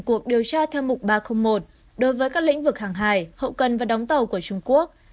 cuộc điều tra theo mục ba trăm linh một đối với các lĩnh vực hàng hải hậu cần và đóng tàu của trung quốc